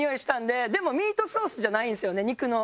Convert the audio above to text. でもミートソースじゃないんですよね肉の。